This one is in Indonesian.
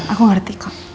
aku ngerti kok